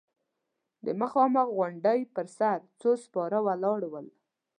د مخامخ غونډۍ پر سر څو سپاره ولاړ ول.